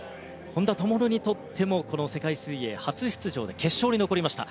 本多灯にとってもこの世界水泳初出場で決勝に残りました。